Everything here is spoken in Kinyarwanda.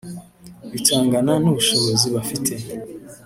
bitangana n’ubushobozi bafite